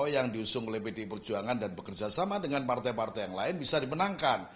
yang diusung oleh pdi perjuangan dan bekerja sama dengan partai partai yang lain bisa dimenangkan